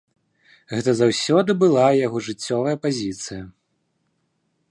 Гэта заўсёды была яго жыццёвая пазіцыя.